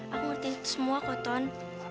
aku ngerti itu semua kok ton